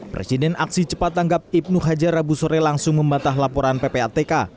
presiden aksi cepat tanggap ibnu hajar rabu sore langsung membatah laporan ppatk